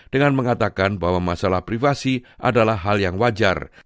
dengan mengatakan bahwa masalah privasi adalah hal yang wajar